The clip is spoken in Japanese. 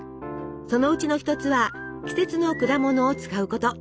そのうちの一つは季節の果物を使うこと。